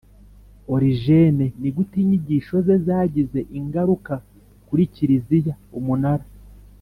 Origene Ni gute inyigisho ze zagize ingaruka kuri Kiliziya Umunara